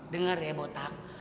dengar ya botak